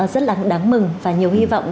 rất là đáng mừng và nhiều hy vọng